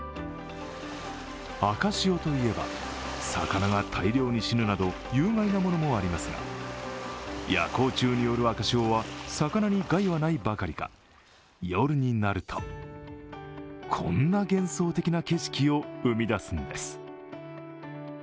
赤潮といえば、魚が大量に死ぬなど有害なものもありますが、夜光虫による赤潮は魚に害はないばかりか夜になるとこんな幻想的な景色を生み出すんです。